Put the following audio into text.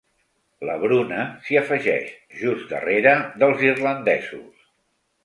La Bruna s'hi afegeix, just darrere dels irlandesos.